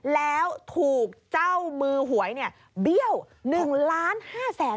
แล้วถูกเจ้ามือหวยเนี่ยเบี้ยว๑๕๐๐๐๐๐บาท